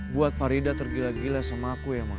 buat faridah tergila gila sama aku ya mak